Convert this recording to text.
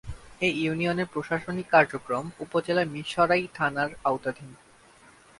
এ ইউনিয়নের প্রশাসনিক কার্যক্রম উপজেলার মীরসরাই থানার আওতাধীন।